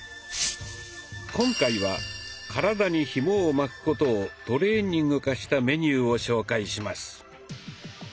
今回は体にひもを巻くことをトレーニング化したメニューを紹介します。